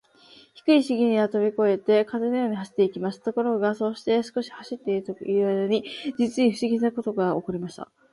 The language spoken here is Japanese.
低いしげみはとびこえて、風のように走っていきます。ところが、そうして少し走っているあいだに、じつにふしぎなことがおこりました。